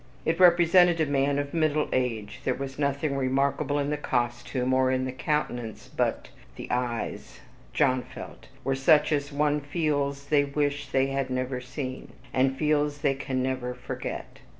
It represented a man of middle age. There was nothing remarkable in the costume, or in the countenance, but THE EYES, John felt, were such as one feels they wish they had never seen, and feels they can never forget.